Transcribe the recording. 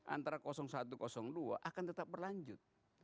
antara satu dua akan tetap berlanjut